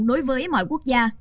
đối với mọi quốc gia